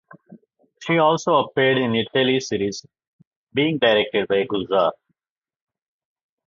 She also appeared in a tele-series being directed by Gulzar.